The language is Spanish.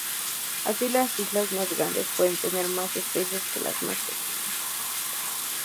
Así las islas más grandes pueden tener más especies que las más pequeñas.